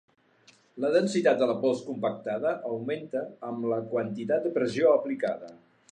La densitat de la pols compactada augmenta amb la quantitat de pressió aplicada.